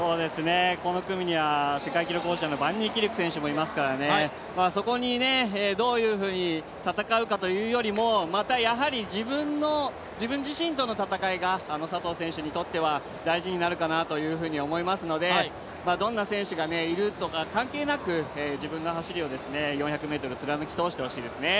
この組には世界記録保持者のバンニーキルク選手もいますからそこにどういうふうに戦うかというよりもまたやはり自分自身との戦いが佐藤選手にとっては大事になるかなというふうに思いますので、どんな選手がいるとか関係なく自分の走りを４００ｍ貫き通してほしいですね。